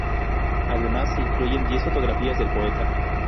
Además se incluyen diez fotografías del poeta.